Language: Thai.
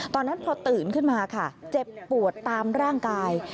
ตอนนั้นพอตื่นขึ้นมาค่ะเจ็บปวดตามร่างกาย